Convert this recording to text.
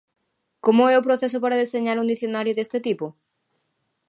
Como é o proceso para deseñar un dicionario deste tipo?